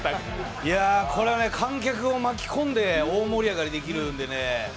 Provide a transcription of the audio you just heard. いやあ、これはね観客を巻き込んで大盛り上がりできるんでね